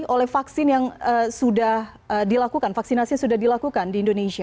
oleh vaksin yang sudah dilakukan vaksinasi sudah dilakukan di indonesia